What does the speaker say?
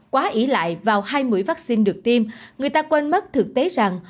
quá ỉ lại vào hai mũi vaccine được tiêm người ta quên mất thực tế rằng